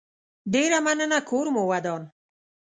ډيره مننه کور مو ودان